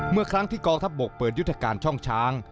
เมื่อครั้งที่กองทัพบกเปิดยุทธการช่องช้าง